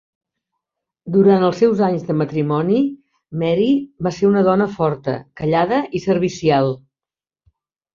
Durant els seus anys de matrimoni, Mary va ser una dona forta, callada i servicial.